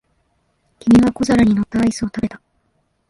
君は小皿に乗ったアイスを食べた。